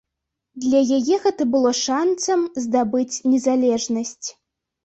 Для яе гэта было шанцам здабыць незалежнасць.